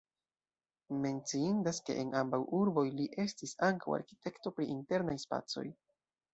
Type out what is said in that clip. Menciindas, ke en ambaŭ urboj li estis ankaŭ arkitekto pri internaj spacoj.